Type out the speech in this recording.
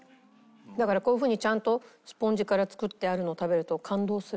だからこういう風にちゃんとスポンジから作ってあるのを食べると感動する。